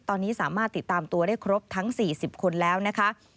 ตอนนี้สามารถติดตามตัวได้ครบทั้ง๔๐คนแล้วนะคะ